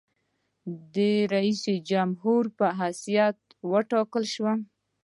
د جمهورریس په حیث وټاکل شوم.